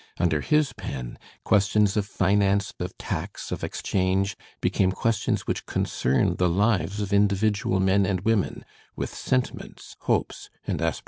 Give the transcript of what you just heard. Under his pen, questions of finance, of tax, of exchange, became questions which concern the lives of individual men and women, with sentiments, hopes, and aspirations.